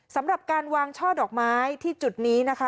สำหรับการวางช่อดอกไม้ที่จุดนี้นะคะ